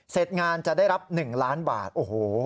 เสร็จงานจะได้รับ๑ล้านบาทโอ้โห